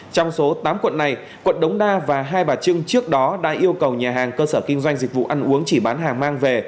trong số tám quận này quận đống đa và hai bà trưng trước đó đã yêu cầu nhà hàng cơ sở kinh doanh dịch vụ ăn uống chỉ bán hàng mang về